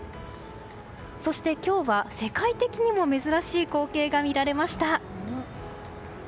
そして、今日は世界的にも珍しい光景が見られました。